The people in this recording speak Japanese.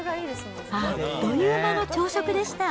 あっという間の朝食でした。